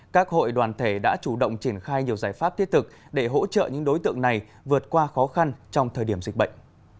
các hội đoàn thể đã chủ động triển khai nhiều giải pháp thiết thực để hỗ trợ những đối tượng này vượt qua khó khăn trong thời điểm dịch bệnh